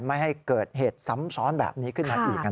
ไม่ให้เกิดเหตุซ้ำซ้อนแบบนี้ขึ้นมาอีก